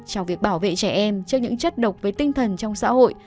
trong việc bảo vệ trẻ em trước những chất độc với tinh thần trong xã hội